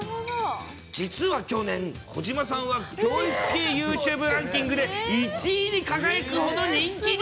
実は去年、小島さんは教育系ユーチューブランキングで、１位に輝くほど人気に。